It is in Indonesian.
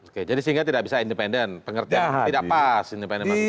oke jadi sehingga tidak bisa independen pengertian tidak pas independen